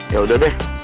eh ya udah deh